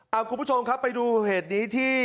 เอาคุณผู้ชมครับไปดูเหตุนี้ที่